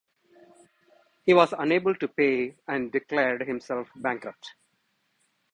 He was unable to pay and declared himself bankrupt.